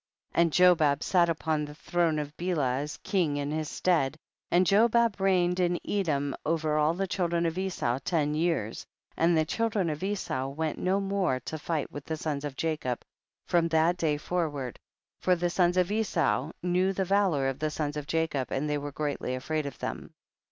27. And Jobab sat upon the throne of Bela as king in his stead, and Jo bab reigned in Edom over all the children of Esau ten years, and the children of Esau went no more to fight with the sons of Jacob from that day forward, for the sons of Esau knew tiie valor of the sons of Jacob, and they were greatly afraid of them.